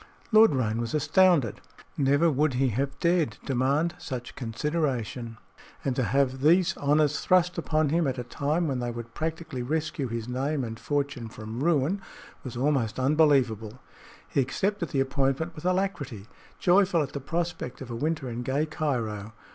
Lord Roane was astounded. Never would he have dared demand such consideration, and to have these honors thrust upon him at a time when they would practically rescue his name and fortune from ruin was almost unbelievable. He accepted the appointment with alacrity, joyful at the prospect of a winter in gay Cairo.